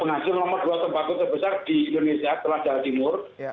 penghasil nomor dua tembaku terbesar di indonesia telah jalan timur